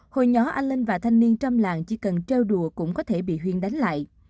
hồi nhỏ anh linh và thanh niên trong làng chỉ cần treo đùa cũng có thể bị huyên đánh lại